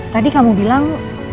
tadi kamu bilang